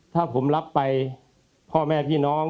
ถ้าผมรับไปพ่อแม่พี่น้อง